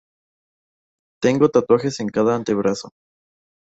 Tengo tatuajes en cada antebrazo.